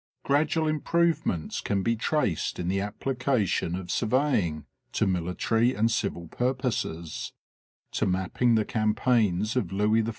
Gradual improvements can be traced in the application of surveying to military and civil purposes, to mapping the cam paigns of Louis XIV.